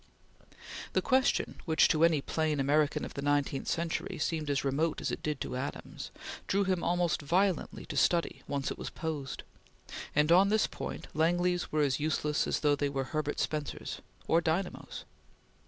The question, which to any plain American of the nineteenth century seemed as remote as it did to Adams, drew him almost violently to study, once it was posed; and on this point Langleys were as useless as though they were Herbert Spencers or dynamos.